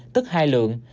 tức hai lượng